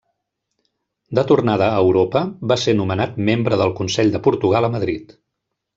De tornada a Europa, va ser nomenat membre del Consell de Portugal a Madrid.